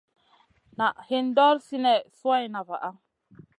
Naʼ hin ɗor sinèhna suwayna vaʼa.